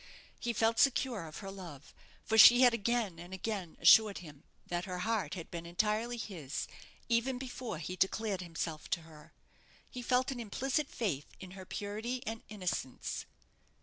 He felt secure of her love, for she had again and again assured him that her heart had been entirely his even before he declared himself to her. He felt an implicit faith in her purity and innocence.